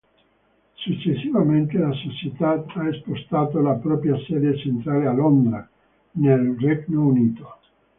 Successivamente la società ha spostato la propria sede centrale a Londra, nel Regno Unito.